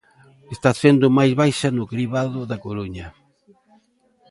Está sendo máis baixa no cribado da Coruña.